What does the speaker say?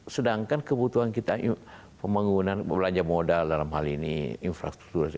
sedangkan kebutuhan kita pembangunan belanja modal dalam hal ini infrastruktur